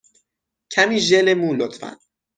کمی ژل مو، لطفا.